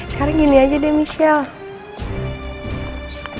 sekarang gini aja deh michelle